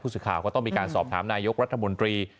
สื่อข่าวก็ต้องมีการสอบถามนายกรัฐมนตรี